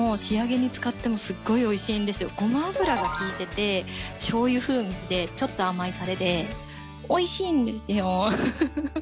ゴマ油が利いててしょうゆ風味でちょっと甘いタレでおいしいんですよ！